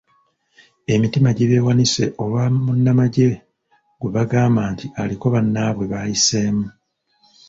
Emitima gibeewanise olwa munnamagye gwe bagamba nti aliko bannaabwe b'ayiseemu.